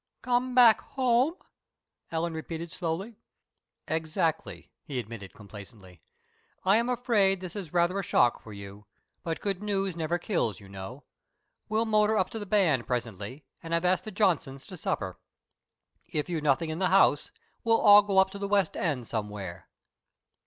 "Come back home," Ellen repeated slowly. "Exactly," he admitted, complacently. "I am afraid this is rather a shock for you, but good news never kills, you know. We'll motor up to the band presently and I've asked the Johnsons to supper. If you've nothing in the house, we'll all go up to the west end somewhere.